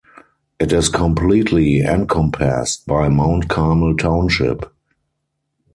It is completely encompassed by Mount Carmel Township.